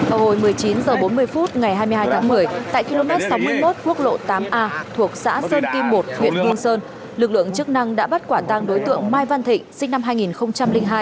vào hồi một mươi chín h bốn mươi phút ngày hai mươi hai tháng một mươi tại km sáu mươi một quốc lộ tám a thuộc xã sơn kim một huyện nghi sơn lực lượng chức năng đã bắt quả tăng đối tượng mai văn thịnh sinh năm hai nghìn hai